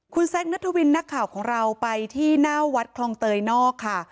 คุณแซคนัทวินนักข่าวของเราไปที่หน้าวัดคลองเตยนอกค่ะ